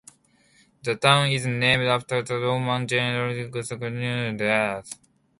The town is named after the Roman general Lucius Quinctius Cincinnatus.